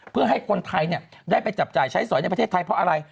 เพื่อให้คนไทยได้ไปจับจ่ายใช้สอยในประเทศไทยเพราะอะไร